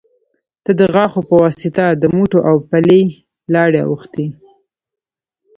ته د غاښو يه واسطه د موټو او پلې لارې اوښتي